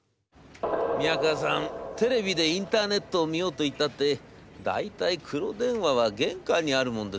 『宮河さんテレビでインターネットを見ようといったって大体黒電話は玄関にあるもんですよ。